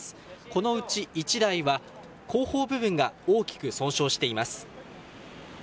このうち１台は後方部分が大きく損傷しています。